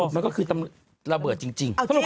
มันก็คือระเบิดจริง